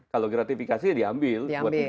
kalau gratifikasi ya diambil